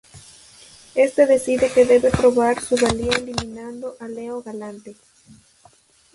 Este decide que debe probar su valía eliminando a Leo Galante.